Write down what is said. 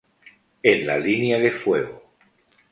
En la línea de fuego.